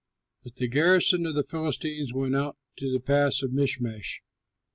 But the garrison of the Philistines went out to the pass of Michmash.